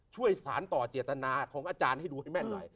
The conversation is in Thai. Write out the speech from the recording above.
ช่วยสารต่อเจตนาของอาจารย์ให้ดูให้แม่นหน่อย